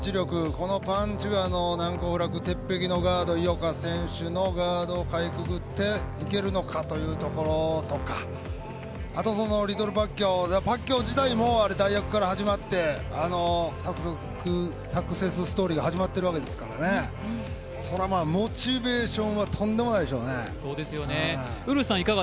このパンチは難攻不落、鉄壁の井岡選手のガードをかいくぐっていけるのかというところとか、あとリトル・パッキャオ、パッキャオ自体も代役から始まって、サクセスストーリーが始まっているわけですからモチベーションはとんでもないでしょうね。